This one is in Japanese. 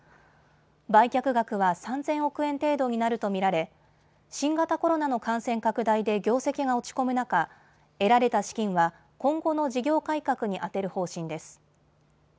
売却額は３０００億円程度になると見られ新型コロナの感染拡大で業績が落ち込む中、得られた資金は今後の事業改革に充てる方針です。